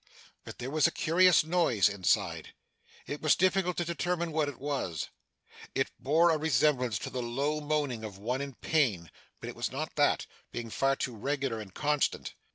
But there was a curious noise inside. It was difficult to determine what it was. It bore a resemblance to the low moaning of one in pain, but it was not that, being far too regular and constant.